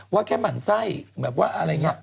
ว่าแค่หมั่นไส้แบบว่าอะไรไง